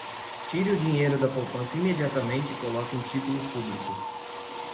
Tire o dinheiro da poupança imediatamente e coloque em títulos públicos